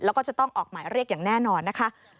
แล้วก็จะต้องออกหมายเรียกอย่างแน่นอนนะคะ